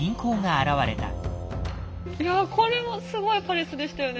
いやこれもすごいパレスでしたよね。